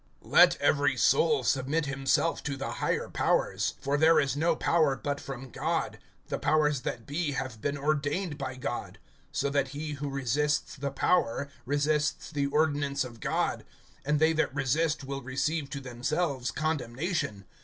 LET every soul submit himself to the higher powers. For there is no power but from God; the powers that be have been ordained by God. (2)So that he who resists the power, resists the ordinance of God; and they that resist will receive to themselves condemnation.